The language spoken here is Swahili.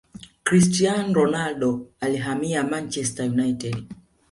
cristiano ronaldo alihamia manchester united